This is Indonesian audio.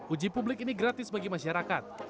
uji publik ini gratis bagi masyarakat